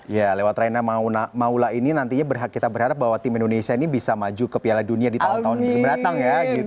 ya lewat raina maula ini nantinya kita berharap bahwa tim indonesia ini bisa maju ke piala dunia di tahun tahun mendatang ya